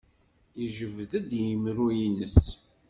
Yejbed-d imru-nnes.